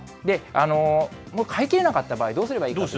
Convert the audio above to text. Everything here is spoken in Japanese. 飼いきれなかった場合、どうすればいいか。